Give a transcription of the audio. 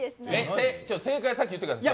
正解を先に言ってください。